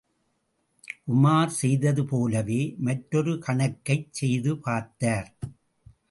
உமார் செய்தது போலவே, மற்றொரு கணக்கைச் செய்து பார்த்தார்.